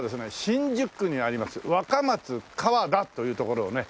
新宿区にあります若松河田という所をね